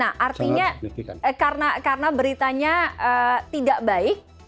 nah artinya karena beritanya tidak baik